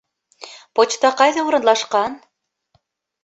Почта ҡайҙа урынлашҡан?